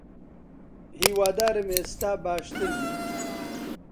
هیوادارم ئێستا باشتر بیت.